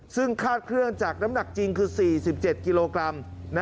ซึ่งคาดเครื่องจากน้ำหนักจริงคือ๔๗กิโลกรัม